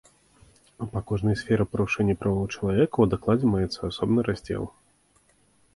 Па кожнай сферы парушэння правоў чалавека ў дакладзе маецца асобны раздзел.